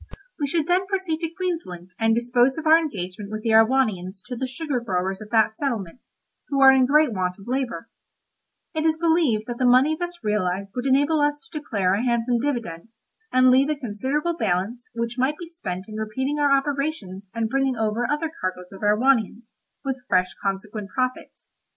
We should then proceed to Queensland, and dispose of our engagement with the Erewhonians to the sugar growers of that settlement, who are in great want of labour; it is believed that the money thus realised would enable us to declare a handsome dividend, and leave a considerable balance, which might be spent in repeating our operations and bringing over other cargoes of Erewhonians, with fresh consequent profits.